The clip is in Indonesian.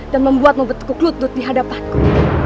dan membuatmu bertukuk lutut di hadapanku